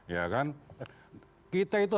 ya kan kita itu